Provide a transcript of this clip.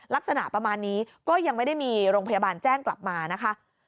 ลักษณะประมาณนี้ก็ยังไม่ได้มีโรงพยาบาลแจ้งกลับมานะคะ